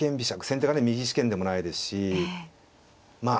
先手がね右四間でもないですしまあ